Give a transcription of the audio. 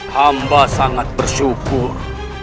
hamba sangat bersyukur